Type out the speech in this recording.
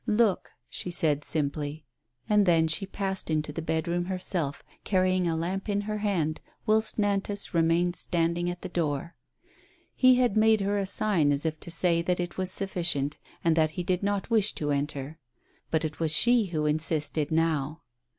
"Look/' she said, simply. And then she passed into tlie bed room herself, carry ing a lamp in her band, whilst Nantas remained standing at the door. He had made her a sign as if to say that it was sufficient, that he did not wish to enter. But it was she who insisted now.